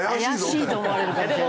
怪しいと思われるかも。